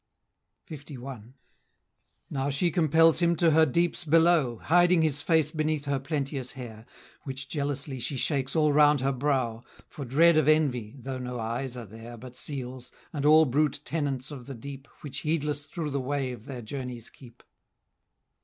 LI. Now she compels him to her deeps below, Hiding his face beneath her plenteous hair, Which jealously she shakes all round her brow, For dread of envy, though no eyes are there But seals', and all brute tenants of the deep, Which heedless through the wave their journeys keep.